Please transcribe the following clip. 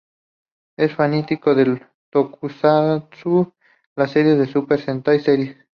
Es fanático del Tokusatsu y las series de Super Sentai Series.